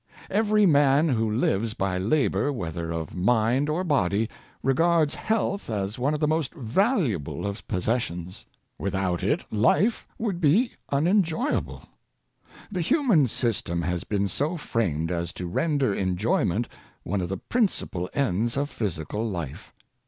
Every man who lives by labor, whether of mind or body, regards health as one of the most valu able of possessions. Without it, life would be unenjoy able. The human system has been so framed as to render enjoyment one of the principal ends of physical life.